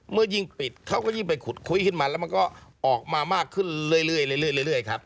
เมื่อยิ่งปิดเขาก็ยิ่งไปขุดคุยขึ้นมาแล้วมันก็ออกมามากขึ้นเรื่อยครับ